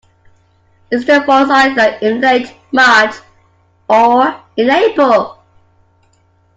Easter falls either in late March or in April